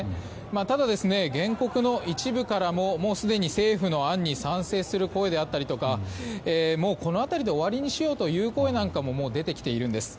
ただ、原告の一部からももうすでに政府の案に賛成する声であったりとかこの辺りで終わりにしようという声も出てきているんです。